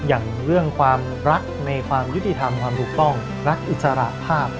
อย่างเรื่องความรักในความยุติธรรมความถูกต้องรักอิสระภาพ